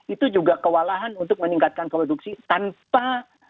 itu juga kewalahan untuk meningkatkan produksi tanpa